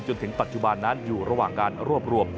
จนถึงปัจจุบันนั้นอยู่ระหว่างการรวบรวม